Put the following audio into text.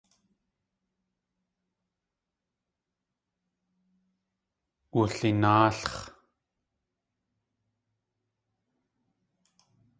Wulináalx̲.